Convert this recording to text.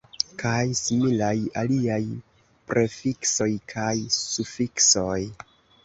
Kaj similaj aliaj prefiksoj kaj sufiksoj.